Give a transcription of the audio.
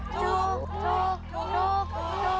จุก